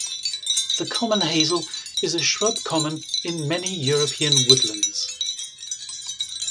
The common hazel is a shrub common in many European woodlands.